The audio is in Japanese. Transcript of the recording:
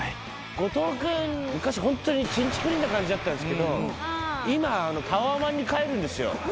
後藤君昔ホントにちんちくりんな感じだったんですけど今タワマンに帰るんですよ。